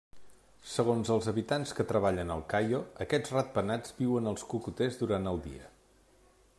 Segons els habitants que treballen al Cayo, aquests ratpenats viuen als cocoters durant el dia.